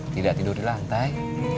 tidak tidur di lantai